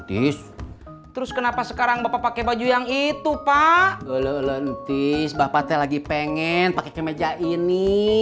terus kenapa sekarang bapak pakai baju yang itu pak luntis bapak lagi pengen pakai kemeja ini